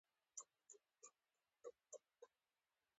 د افغانستان لپاره ډیر ښه دریځ